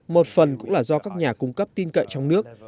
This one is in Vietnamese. một phần cũng là do các nhà cung cấp tin cậy trong nước